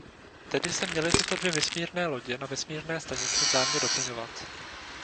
Tedy se měly tyto dvě vesmírné lodě na vesmírné stanici vzájemně doplňovat.